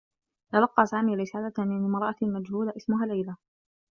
تلقّى سامي رسالة من امرأة مجهولة اسمها ليلى.